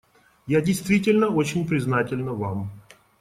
Я действительно очень признательна вам.